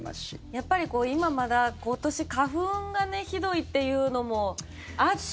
やっぱり今、まだ今年、花粉がひどいっていうのもあって。